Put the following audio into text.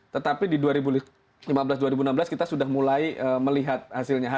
tetapi di dua ribu lima belas dua ribu enam belas kita sudah mulai melihat hasilnya